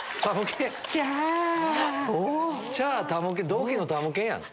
同期のたむけんやん。